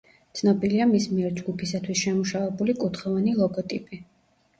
ცნობილია მის მიერ ჯგუფისათვის შემუშავებული კუთხოვანი ლოგოტიპი.